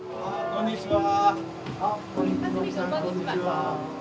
こんにちは。